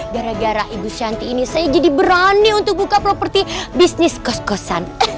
gara gara ibu shanti ini saya jadi berani untuk buka properti bisnis kos kosan